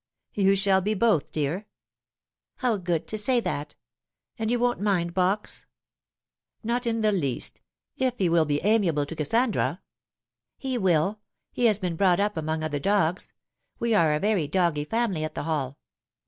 " You shall be both, dear." " How good to say that ! And you won't mind Box ?"" Not the least. If he will be amiable to Kassandra." " He will. He has been brought up among otl^r dogs. We are a very doggy family at the Hall.